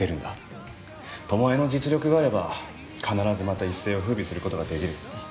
巴の実力があれば必ずまた一世を風靡する事ができる。